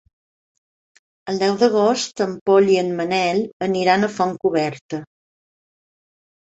El deu d'agost en Pol i en Manel aniran a Fontcoberta.